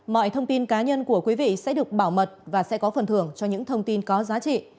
mọi thông tin cá nhân của quý vị sẽ được bảo mật và sẽ có phần thưởng cho những thông tin có giá trị